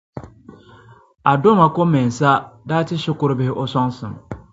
Adomako-Mensah daa ti shikurubihi o sɔŋsim.